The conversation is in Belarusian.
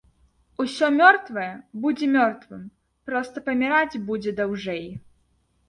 Усё мёртвае будзе мёртвым, проста паміраць будзе даўжэй.